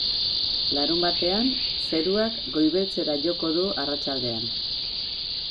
Larunbatean, zeruak goibeltzera joko du arratsaldean.